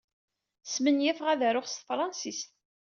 Smenyafeɣ ad aruɣ s tefṛensist.